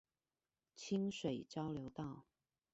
清水交流道